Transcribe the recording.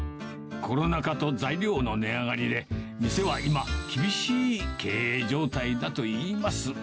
コロナ禍と材料の値上がりで、店は今、厳しい経営状態だといいます。